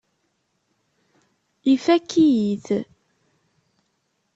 Ifakk-iyi-t.